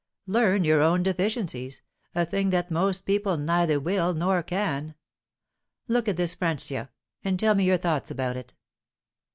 "Learn your own deficiencies; a thing that most people neither will nor can. Look at this Francia, and tell me your thoughts about it."